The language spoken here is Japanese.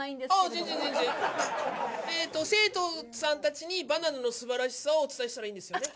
あ全然全然えーと生徒さん達にバナナの素晴らしさをお伝えしたらいいんですよね？